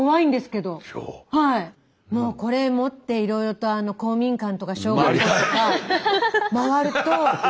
もうこれ持っていろいろと公民館とか小学校とか回ると。